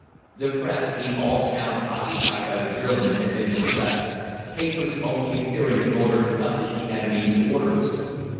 The Press in all towns occupied by the Germans had been suppressed, papers only appearing in order to publish the enemy's orders.